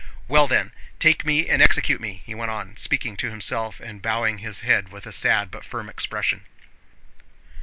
"Well then, take me and execute me!" he went on, speaking to himself and bowing his head with a sad but firm expression.